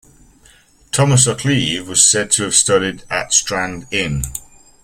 Thomas Occleve was said to have studied at Strand Inn.